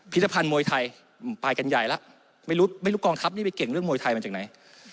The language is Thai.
ธภัณฑ์มวยไทยไปกันใหญ่แล้วไม่รู้ไม่รู้กองทัพนี่ไปเก่งเรื่องมวยไทยมาจากไหน